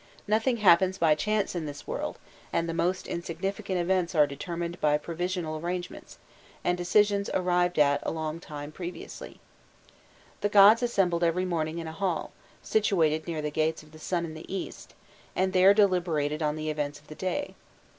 Nothing happens by chance in this world, and the most insignificant events are determined by previsional arrangements, and decisions arrived at a long time previously. The gods assembled every morning in a hall, situated near the gates of the sun in the east, and there deliberated on the events of the day.